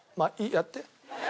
やって。